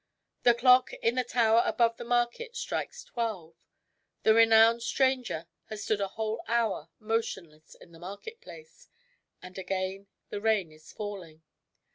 The clock in the tower above the market strikes twelve. The renowned stranger has stood a whole hour motionless in the market place. And again the rain is falling.